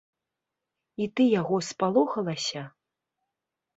І ты яго спалохалася?